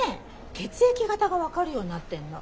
血液型が分かるようになってんの。